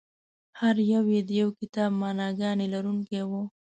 هر یو یې د یو کتاب معناګانې لرونکي وو.